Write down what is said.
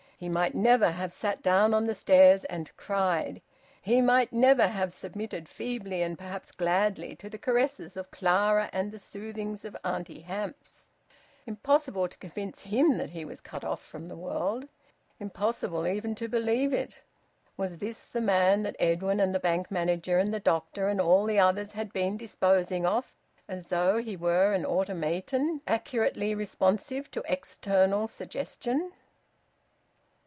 He might never have sat down on the stairs and cried! He might never have submitted feebly and perhaps gladly to the caresses of Clara and the soothings of Auntie Hamps! Impossible to convince him that he was cut off from the world! Impossible even to believe it! Was this the man that Edwin and the Bank manager and the doctor and all the others had been disposing of as though he were an automaton accurately responsive to external suggestion?